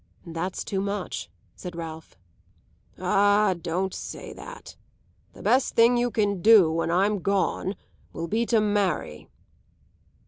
"That's too much," said Ralph. "Ah, don't say that. The best thing you can do; when I'm gone, will be to marry."